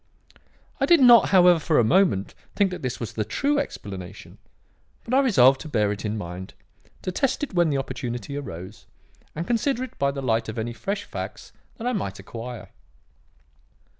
"I did not, however, for a moment, think that this was the true explanation, but I resolved to bear it in mind, to test it when the opportunity arose, and consider it by the light of any fresh facts that I might acquire.